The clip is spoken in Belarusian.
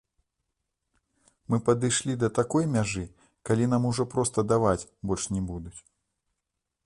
Мы падышлі да такой мяжы, калі нам ужо проста даваць больш не будуць.